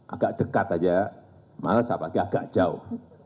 agak dekat saja malas apakah agak jauh